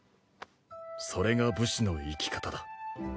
それが武士の生き方だ。